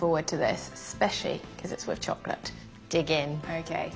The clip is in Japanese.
はい。